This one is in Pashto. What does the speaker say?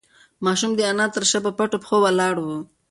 ماشوم د انا تر شا په پټو پښو ولاړ و.